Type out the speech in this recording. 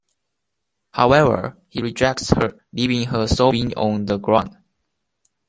However, he rejects her, leaving her sobbing on the ground.